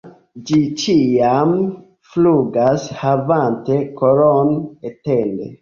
Ĝi ĉiam flugas havante kolon etende.